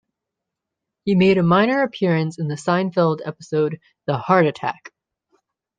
He made a minor appearance in the "Seinfeld" episode "The Heart Attack".